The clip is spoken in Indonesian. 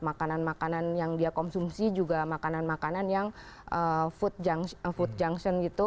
makanan makanan yang dia konsumsi juga makanan makanan yang food junction gitu